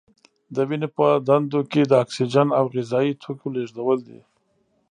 د وینې په دندو کې د اکسیجن او غذايي توکو لیږدول دي.